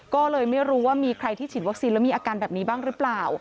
ก็เลยไม่รู้ว่ามีใครที่ฉีดวัคซีนแล้วมีอาการแบบนี้บ้างหรือเปล่า